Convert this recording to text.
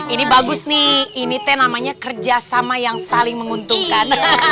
ini bagus nih ini teh namanya kerjasama yang saling menguntungkan